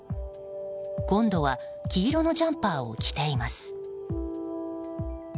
今度は黄色のジャンパーを着ています。